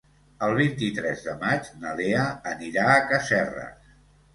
El vint-i-tres de maig na Lea anirà a Casserres.